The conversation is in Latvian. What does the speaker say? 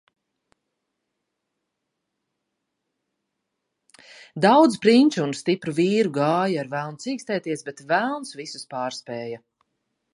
Daudz prinču un stipru vīru gāja ar velnu cīkstēties, bet velns visus pārspēja.